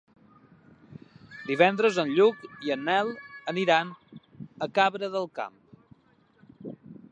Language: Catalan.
Divendres en Lluc i en Nel aniran a Cabra del Camp.